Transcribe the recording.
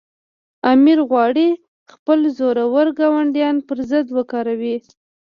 امیر غواړي خپل زورور ګاونډیان پر ضد وکاروي.